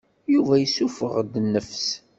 Yuba yessuffeɣ-d nnefs.